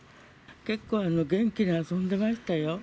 結構、元気に遊んでましたよ。